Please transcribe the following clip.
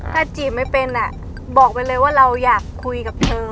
ถ้าจีบไม่เป็นบอกไปเลยว่าเราอยากคุยกับเธอ